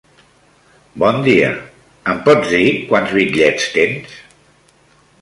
Bon dia, em pots dir quants bitllets tens?